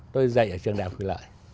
tôi dạy ở trường đại học quỳ lợi